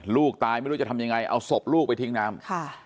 ลูกตายไม่รู้จะทำยังไงเอาศพลูกไปทิ้งน้ำ